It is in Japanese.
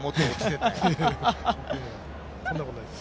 いえ、そんなことないです